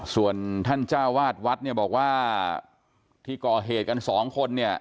ส่วนท่านเจ้าวาดวัดเนี่ยบอกว่าที่ก่อเหตุกันสองคนเนี่ย